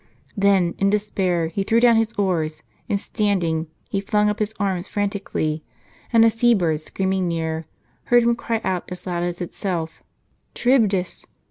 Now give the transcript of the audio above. Then, in despair, he threw down his oars, and standing he ilung up his arms frantically; and a sea bird screaming near, heard him cry out as loud as itself, " Charibdis